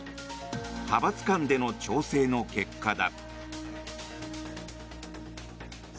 派閥間での調整の結果だ。